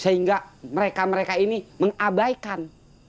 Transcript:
sehingga mereka mereka ini mengabaikan